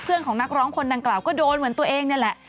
ของนักร้องคนดังกล่าวก็โดนเหมือนตัวเองนี่แหละ